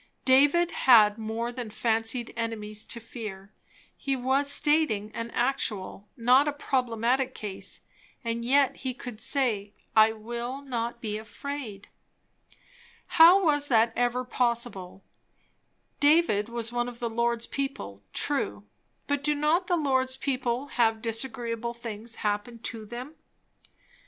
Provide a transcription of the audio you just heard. David had more than fancied enemies to fear; he was stating an actual, not a problematical case; and yet he could say "I will not be afraid"! How was that ever possible? David was one of the Lord's people; true; but do not the Lord's people have disagreeable things happen to them?